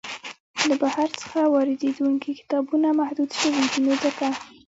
له بهر څخه واریدیدونکي کتابونه محدود شوي دی نو ځکه.